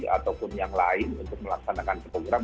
ataupun yang lain untuk melaksanakan program